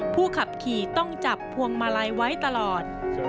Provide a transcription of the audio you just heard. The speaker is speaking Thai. ผู้ขับขี่ต้องจับพวงมาลัยไว้ตลอด